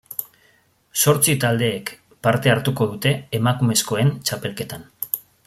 Zortzi taldek parte hartuko dute emakumezkoen txapelketan.